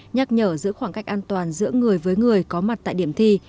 nhắc nhở giữ khoảng cách an toàn giữa người với người có mặt tại điểm thi